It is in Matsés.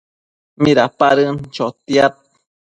Midapadën chotiad